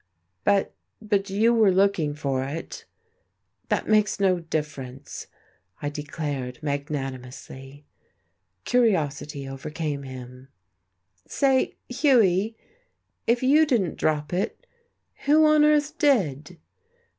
"But but you were looking for it." "That makes no difference," I declared magnanimously. Curiosity overcame him. "Say, Hughie, if you didn't drop it, who on earth did?"